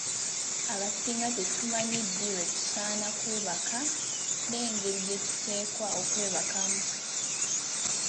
Abasinga tetumanyi ddi lwe tusaana kwebaka n’engeri gye tuteekwa okwebakamu.